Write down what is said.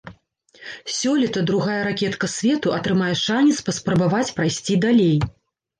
Сёлета другая ракетка свету атрымае шанец паспрабаваць прайсці далей.